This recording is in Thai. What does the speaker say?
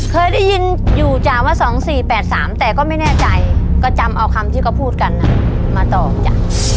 เคยได้ยินอยู่จ้ะว่า๒๔๘๓แต่ก็ไม่แน่ใจก็จำเอาคำที่เขาพูดกันมาตอบจ้ะ